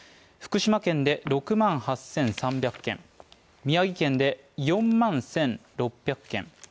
福島県で６万８３００軒、宮城県で４万１６００軒。